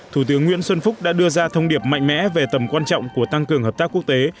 thủ tướng nguyễn xuân phúc đã đưa ra thông điệp mạnh mẽ về tầm quan trọng của tăng cường hợp tác quốc tế